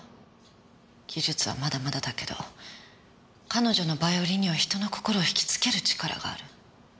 技術はまだまだだけど彼女のヴァイオリンには人の心を引きつける力がある。